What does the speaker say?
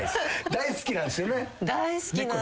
大好きなんです。